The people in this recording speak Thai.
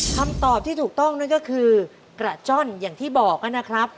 คำตอบที่ถูกต้องนั่นก็คือกระจ้อนอย่างที่บอกนะครับ